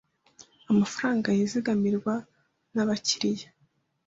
amafaranga yizigamirwa n abakiriya